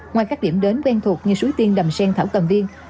ngoài các điểm đến quen thuộc như suối tiên đầm sen thảo cầm viên